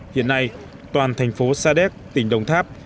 hiện nay toàn thành phố sa đéc tỉnh đồng tháp